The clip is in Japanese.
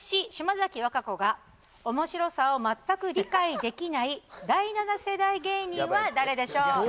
島崎和歌子が面白さを全く理解できない第７世代芸人は誰でしょう？